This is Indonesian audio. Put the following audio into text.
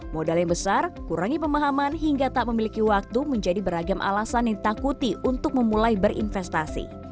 modal yang besar kurangi pemahaman hingga tak memiliki waktu menjadi beragam alasan yang ditakuti untuk memulai berinvestasi